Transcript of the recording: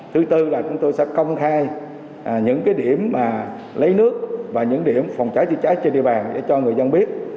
thứ tư là chúng tôi sẽ công khai những điểm lấy nước và những điểm phòng cháy chữa cháy trên địa bàn để cho người dân biết